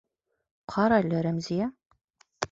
Ҡара әле, Рәмзиә!